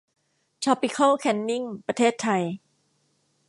ทรอปิคอลแคนนิ่ง ประเทศไทย